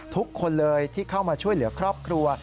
ทุกคนเลยที่เข้ามาช่วยเหลือครอบครัว